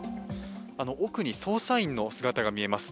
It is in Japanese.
奥に捜査員の姿が見えます。